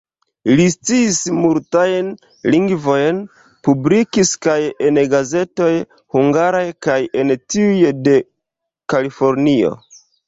Li sciis multajn lingvojn, publikis kaj en gazetoj hungaraj kaj en tiuj de Kalifornio.